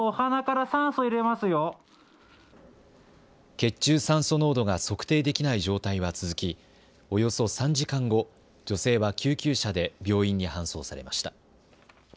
血中酸素濃度が測定できない状態は続き、およそ３時間後、女性は救急車で病院に搬送されました。